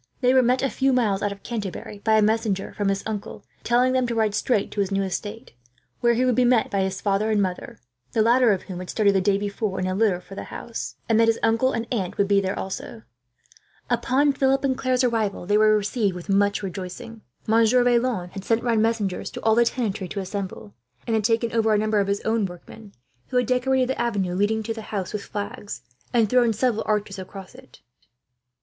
They were met, a few miles out of Canterbury, by a messenger from his uncle; telling them to ride straight to his new estate, where he would be met by his mother and father the latter of whom had started, the day before, in a litter for the house and that his uncle and aunt would also be there. Upon Philip and Claire's arrival, they were received with much rejoicing. Monsieur Vaillant had sent round messengers to all the tenantry to assemble, and had taken over a number of his workmen, who had decorated the avenue leading to the house with flags, and thrown several arches across it.